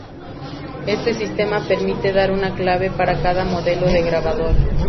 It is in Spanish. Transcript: Este sistema permite dar una clave para cada modelo de grabador.